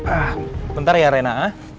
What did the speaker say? ah bentar ya rena